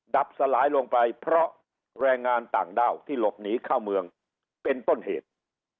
ดับสลายลงไปเพราะแรงงานต่างด้าวที่หลบหนีเข้าเมืองเป็นต้นเหตุ